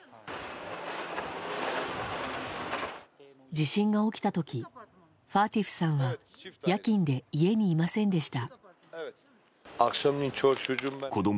地震が起きた時ファーティフさんは夜勤で家にいませんでした。